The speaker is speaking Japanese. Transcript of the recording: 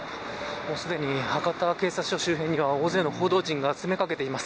すでに博多警察署周辺には大勢の報道陣が詰め掛けています。